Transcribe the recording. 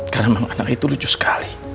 karena memang anak itu lucu sekali